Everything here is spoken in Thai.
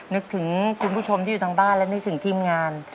นึกถึงคุณผู้ชมที่อยู่ทางบ้านและนึกถึงทีมงาน